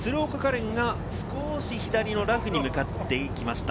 恋が少し左のラフに向かっていきました。